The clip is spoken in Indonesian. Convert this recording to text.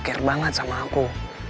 care banget sama aku